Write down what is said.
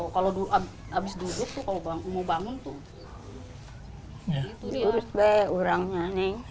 kalau dulu habis duduk kalau bangku mau bangun tuh